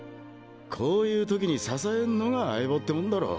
こういう時に支えんのが相棒ってもんだろ。